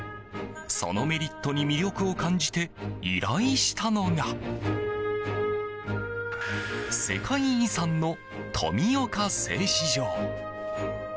そのメリットに魅力を感じて依頼したのが世界遺産の富岡製糸場。